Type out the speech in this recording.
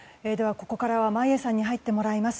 ここからは、眞家さんに入ってもらいます。